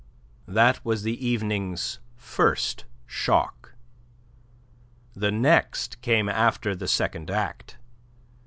That was the evening's first shock. The next came after the second act.